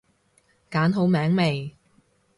揀好名未？